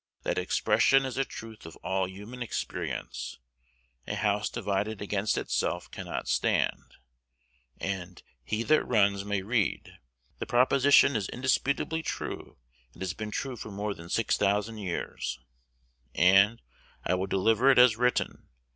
"That expression is a truth of all human experience, 'a house divided against itself cannot stand;' and 'he that runs may read.' The proposition is indisputably true, and has been true for more than six thousand years; and I will deliver it as written.